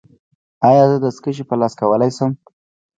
ایا زه دستکشې په لاس کولی شم؟